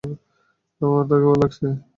আমার তাকে ভালো লাগছে।